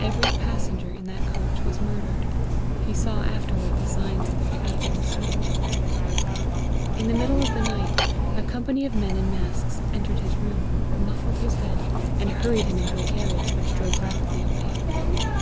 Every passenger in that coach was murdered. He saw afterward the signs of their fate in the snow. In the middle of the night, a company of men in masks entered his room, muffled his head, and hurried him into a carriage, which drove rapidly away.